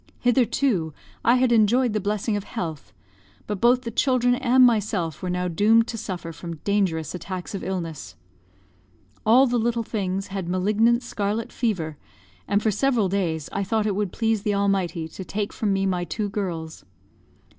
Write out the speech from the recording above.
Hitherto I had enjoyed the blessing of health; but both the children and myself were now doomed to suffer from dangerous attacks of illness. All the little things had malignant scarlet fever, and for several days I thought it would please the Almighty to take from me my two girls.